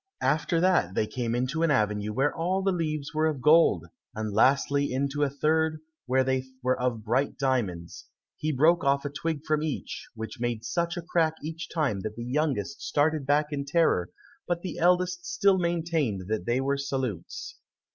After that they came into an avenue where all the leaves were of gold, and lastly into a third where they were of bright diamonds; he broke off a twig from each, which made such a crack each time that the youngest started back in terror, but the eldest still maintained that they were salutes.